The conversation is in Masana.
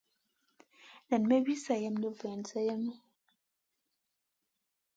Nan may wi sèlèm ɗi vulan sélèmu.